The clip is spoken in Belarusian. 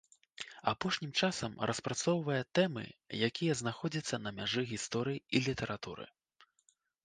Апошнім часам распрацоўвае тэмы, якія знаходзяцца на мяжы гісторыі і літаратуры.